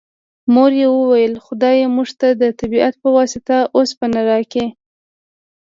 مور یې وویل خدای موږ ته د طبیعت په واسطه اوسپنه راکړه